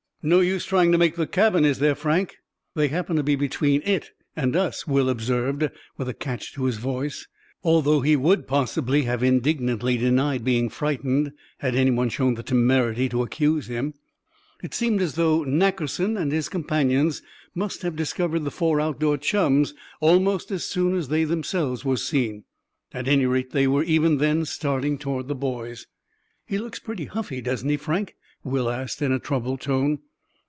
"No use trying to make the cabin, is there, Frank? They happen to be between it and us," Will observed, with a catch to his voice, although he would possibly have indignantly denied being frightened, had any one shown the temerity to accuse him. It seemed as though Nackerson and his companions must have discovered the four outdoor chums almost as soon as they themselves were seen. At any rate, they were even then starting toward the boys. "He looks pretty huffy, doesn't he, Frank?" Will asked, in a troubled tone.